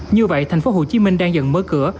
như vậy thành phố hồ chí minh đang dần mở cửa